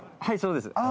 はいそうです。